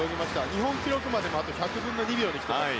日本記録まで、あと１００分の２秒まで来ています。